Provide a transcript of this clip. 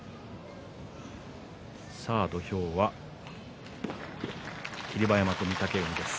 土俵は霧馬山と御嶽海です。